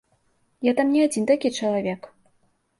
Я там не адзін такі чалавек.